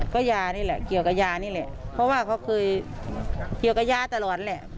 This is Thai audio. ก็ยานี่แหละเกี่ยวกับยานี่แหละเพราะว่าเขาเคยเกี่ยวกับยาตลอดแหละ